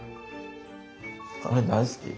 これ大好き。